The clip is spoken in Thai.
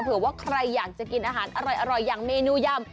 เผื่อว่าใครอยากจะกินอาหารอร่อยอย่างเมนูยำ